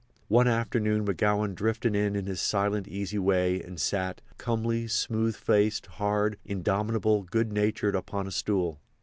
One afternoon McGowan drifted in in his silent, easy way, and sat, comely, smooth faced, hard, indomitable, good natured, upon a stool.